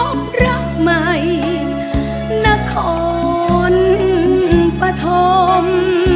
พบรักใหม่นครปฐม